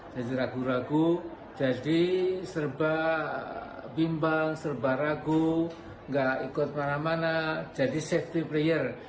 jadi ragu ragu jadi serba bimbang serba ragu gak ikut mana mana jadi safety player